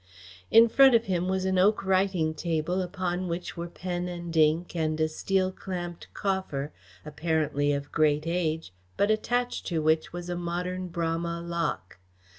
In front of him was an oak writing table upon which were pen and ink and a steel clamped coffer, apparently of great age but attached to which was a modern Bramah lock.